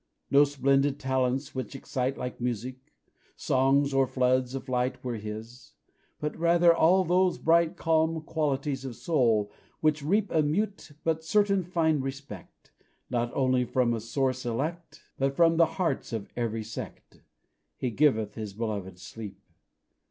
No splendid talents, which excite Like music, songs, or floods of light, Were his; but, rather, all those bright, Calm qualities of soul which reap A mute, but certain, fine respect, Not only from a source elect, But from the hearts of every sect "He giveth His beloved sleep."